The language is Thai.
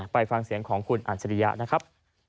ไปฟังเสียงของคุณอัจฉริยะนะครับ